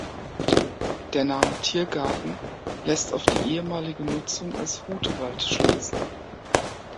Der Name Tiergarten lässt auf die ehemalige Nutzung als Hutewald schließen.